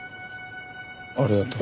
ありがとう。